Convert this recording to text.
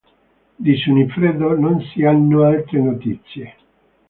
Di Sunifredo non si hanno altre notizie.